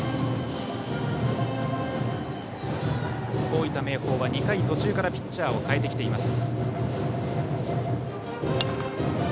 大分・明豊は２回途中からピッチャーを代えてきています。